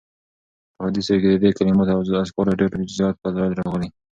په احاديثو کي د دي کلماتو او اذکارو ډير زیات فضائل راغلي